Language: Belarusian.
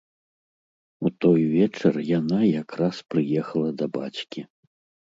У той вечар яна якраз прыехала да бацькі.